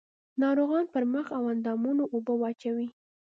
ناروغان پر مخ او اندامونو اوبه واچوي.